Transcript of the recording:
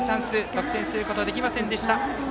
得点することができませんでした。